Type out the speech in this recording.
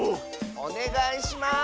おねがいします！